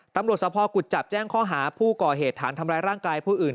ตำรวจสภกุจจับแจ้งข้อหาผู้ก่อเหตุฐานทำร้ายร่างกายผู้อื่น